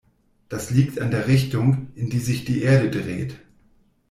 Das liegt an der Richtung, in die sich die Erde dreht.